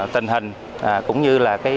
tình hình cũng như là